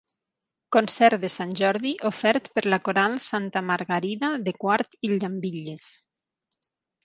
Concert de Sant Jordi ofert per la Coral Santa Margarida de Quart i Llambilles.